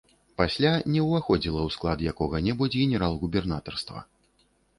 Пасля не ўваходзіла ў склад якога-небудзь генерал-губернатарства.